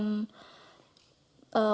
untuk kasus ini